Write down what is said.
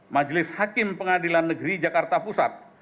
majelis hakim pengadilan negeri jakarta pusat